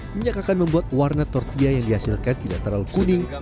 minyak akan membuat warna tortilla yang dihasilkan bilateral kuning